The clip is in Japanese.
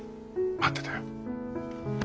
待ってたよ。